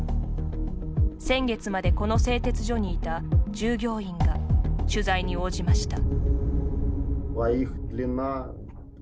先月までこの製鉄所にいた従業員が取材に応じました。